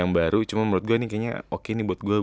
batus pake apa aja